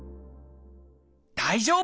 大丈夫！